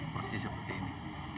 operasi seperti ini